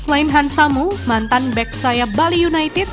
selain hansamu mantan back saya bali united